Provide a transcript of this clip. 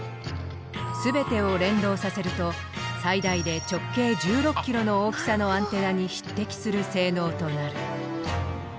全てを連動させると最大で直径１６ｋｍの大きさのアンテナに匹敵する性能となる。